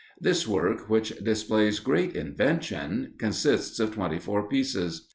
This work, which displays great invention, consists of twenty four pieces.